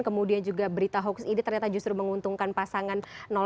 kemudian juga berita hoax ini ternyata justru menguntungkan pasangan satu